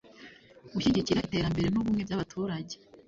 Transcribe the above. gushyigikira iterambere n’ubumwe by’abaturage